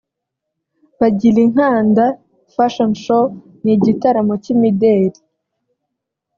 Bagilinkanda Fashion Show ni Igitaramo cy’imideli